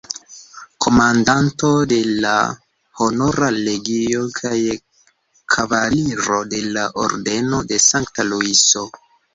Komandanto de la Honora Legio kaj Kavaliro de la Ordeno de Sankta Luiso.